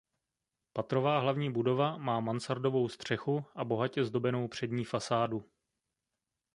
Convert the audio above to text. Patrová hlavní budova má mansardovou střechu a bohatě zdobenou přední fasádu.